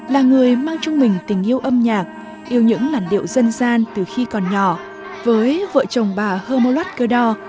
là người mang trong mình tình yêu âm nhạc yêu những làn điệu dân gian từ khi còn nhỏ với vợ chồng bà hơ mô lót cơ đo